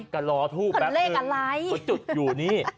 ก็รอทูบแปปนึงคือจุดอยู่นี่